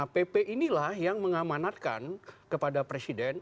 pp inilah yang mengamanatkan kepada presiden